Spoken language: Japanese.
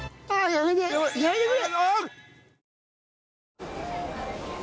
やめてくれ！